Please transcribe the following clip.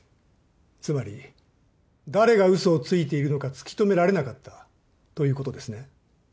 つまり誰が嘘をついているのか突き止められなかったということですね？